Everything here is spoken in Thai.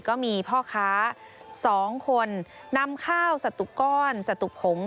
ก็มีพ่อค้า๒คนนำข้าวสตุกรสตุผง